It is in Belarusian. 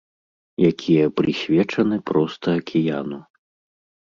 Якія прысвечаны проста акіяну.